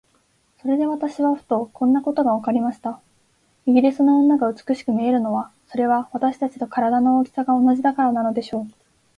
それで私はふと、こんなことがわかりました。イギリスの女が美しく見えるのは、それは私たちと身体の大きさが同じだからなのでしょう。